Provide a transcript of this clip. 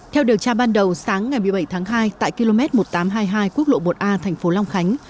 theo điều tra ban đầu sáng ngày một mươi bảy tháng hai tại km một nghìn tám trăm hai mươi hai quốc lộ một a thành phố long khánh